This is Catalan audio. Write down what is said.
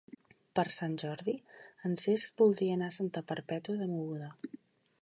Per Sant Jordi en Cesc voldria anar a Santa Perpètua de Mogoda.